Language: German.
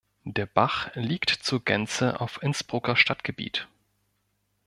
Der Bach liegt zur Gänze auf Innsbrucker Stadtgebiet.